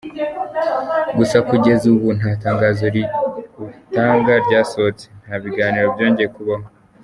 Gusa kugeza ubu nta tangazo ributanga ryasohotse, nta biganiro byongeye kubaho.